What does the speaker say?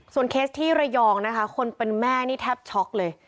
เคสที่ระยองนะคะคนเป็นแม่นี่แทบช็อกเลย